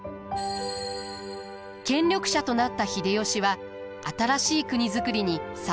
権力者となった秀吉は新しい国造りに才覚を発揮します。